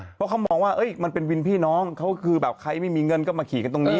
เพราะเขามองว่ามันเป็นวินพี่น้องเขาคือแบบใครไม่มีเงินก็มาขี่กันตรงนี้